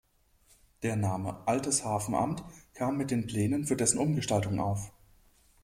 Der Name "Altes Hafenamt" kam mit den Plänen für dessen Umgestaltung auf.